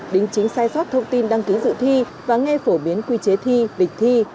đính chính sai sót thông tin đăng ký dự thi và nghe phổ biến quy chế thi lịch thi